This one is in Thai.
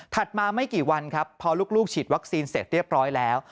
มาไม่กี่วันครับพอลูกฉีดวัคซีนเสร็จเรียบร้อยแล้ว